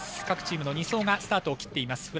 各チームの２走がスタートを切っています。